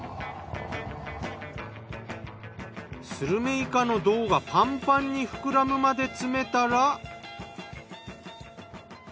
スルメイカの胴がパンパンに膨らむまで詰めたら。